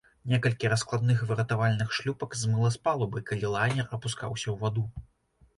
Некалькі раскладных выратавальных шлюпак змыла з палубы, калі лайнер апускаўся ў ваду.